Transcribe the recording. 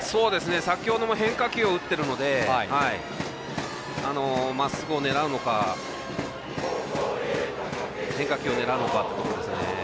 先ほども変化球を打ってるのでまっすぐを狙うのか変化球を狙うのかというところですね。